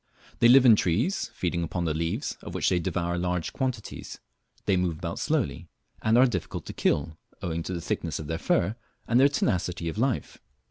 They live in trees, feeding upon the leaves, of which they devour large quantities, they move about slowly, and are difficult to kill, owing to the thickness of their fur, and their tenacity of life.